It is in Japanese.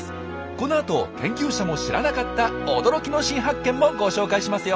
このあと研究者も知らなかった驚きの新発見もご紹介しますよ！